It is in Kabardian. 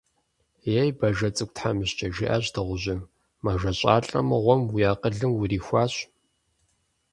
Ей, бажэ цӀыкӀу тхьэмыщкӀэ, – жиӀащ дыгъужьым, – мэжэщӀалӀэ мыгъуэм уи акъылым урихуащ.